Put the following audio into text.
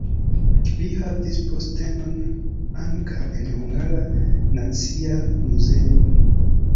Li havis postenon ankaŭ en Hungara Nacia Muzeo.